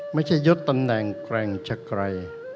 ไม่ใช่ยดตำแหน่งแกร่งชะไกล